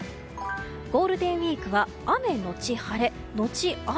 ゴールデンウィークは雨のち晴れのち雨。